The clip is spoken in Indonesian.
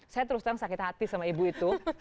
saya terus terang sakit hati sama ibu itu